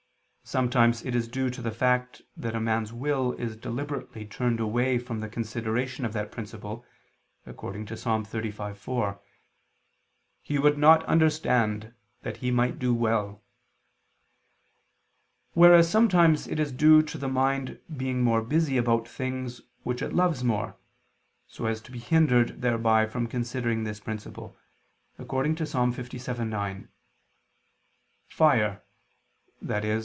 Sometimes it is due to the fact that a man's will is deliberately turned away from the consideration of that principle, according to Ps. 35:4, "He would not understand, that he might do well": whereas sometimes it is due to the mind being more busy about things which it loves more, so as to be hindered thereby from considering this principle, according to Ps. 57:9, "Fire," i.e.